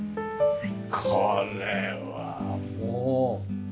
はい。